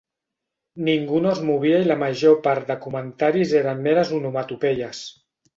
Ningú no es movia i la major part de comentaris eren meres onomatopeies.